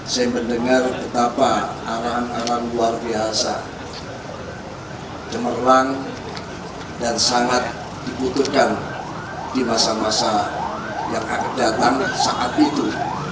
saya mendengar betapa arahan arahan luar biasa cemerlang dan sangat dibutuhkan di masa masa yang akan datang saat itu